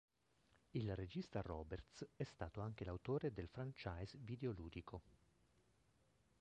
Il regista Roberts è stato anche l'autore del franchise videoludico.